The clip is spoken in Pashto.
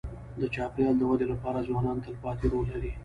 د چاپېریال د ودې لپاره ځوانان تلپاتې رول لري.